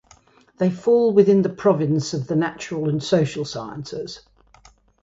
They fall within the province of the natural and social sciences.